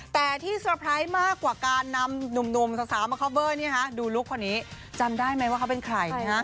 แต่ที่เตอร์ไพรส์มากกว่าการนำหนุ่มสาวมาคอปเวอร์ดูลุคคนนี้จำได้ไหมว่าเขาเป็นใคร